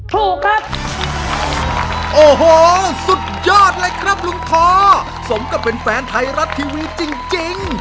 ถูกครับโอ้โหสุดยอดเลยครับลุงท้อสมกับเป็นแฟนไทยรัฐทีวีจริงจริง